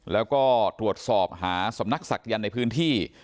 แล้วก็ตรวจสอบหาสำนักศักดิ์ในพื้นที่